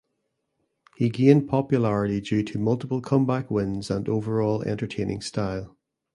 He gained popularity due to multiple comeback wins and overall entertaining style.